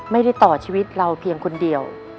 ไม่ได้ต่อชีวิตเราเพียงคนเดียว